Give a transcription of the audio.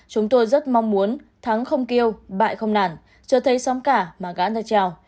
chúng tôi rất mong muốn thắng không kêu bại không nản chưa thấy sóng cả mà gãn ra trào